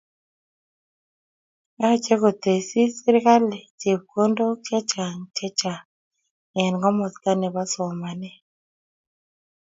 Yochei kotesii serkali chepkondok che chang che chang eng komosta nebo somanet